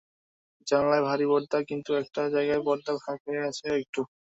জানালায় ভারি পর্দা, কিন্তু একটা জায়গায় পর্দাটা ফাঁক হয়ে আছে একটু।